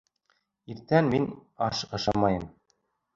Иртән мин аш ашамайым